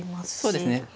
そうですね。